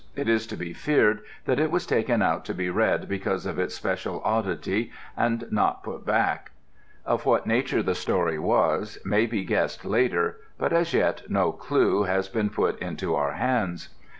It is to be feared that it was taken out to be read because of its special oddity, and not put back. Of what nature the story was may be guessed later, but as yet no clue has been put into our hands.